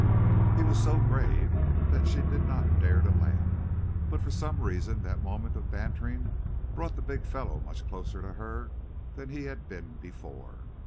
He was so grave that she did not dare to laugh. But for some reason that moment of bantering brought the big fellow much closer to her than he had been before.